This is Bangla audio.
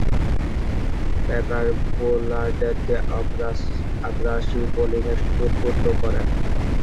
প্যাকার বোলারদেরকে আগ্রাসী বোলিংয়ে উদ্বুদ্ধ করেন।